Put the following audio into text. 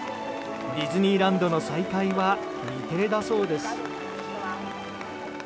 ディズニーランドの再開は未定だそうです。